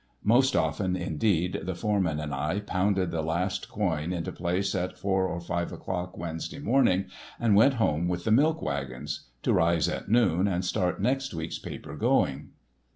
Most often, indeed, the foreman and I pounded the last quoin into place at four or five o'clock Wednesday morning and went home with the milk wagons—to rise at noon and start next week's paper going.